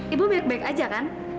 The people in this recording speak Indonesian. ibu baik baik aja kan